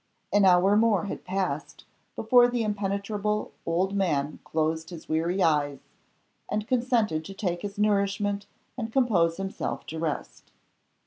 An hour more had passed before the impenetrable old man closed his weary eyes, and consented to take his nourishment and compose himself to rest.